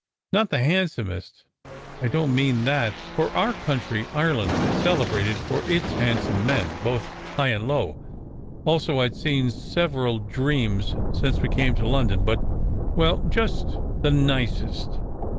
Not the handsomest; I don t mean that, for our county in Ireland is celebrated for its handsome men, both high and low. Also I d seen several Dreams since we came to London: but well, just the nicest.